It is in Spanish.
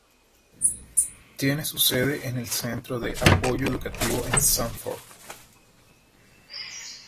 Tiene su sede en el Centro de Apoyo Educativo en Sanford.